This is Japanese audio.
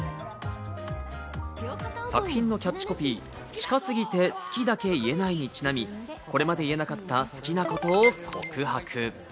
作品のキャッチコピー、「近すぎて好きだけ言えない」にちなみ、これまで言えなかった好きなことを告白。